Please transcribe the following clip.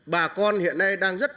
bà con hiện nay đang rất chú ý